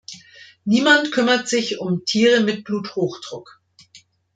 Niemand kümmert sich um Tiere mit Bluthochdruck.